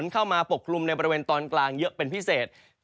ปกคลุมในบริเวณตอนกลางเยอะเป็นพิเศษ